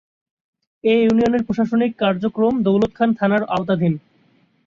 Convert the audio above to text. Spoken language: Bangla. এ ইউনিয়নের প্রশাসনিক কার্যক্রম দৌলতখান থানার আওতাধীন।